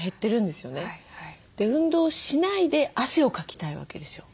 運動しないで汗をかきたいわけですよ。